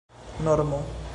normo